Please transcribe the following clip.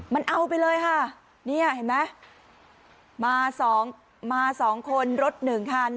มันเอาไปเลยค่ะเนี่ยเห็นไหมมาสองมาสองคนรถหนึ่งคัน